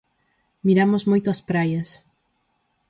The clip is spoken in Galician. Miramos moito as praias.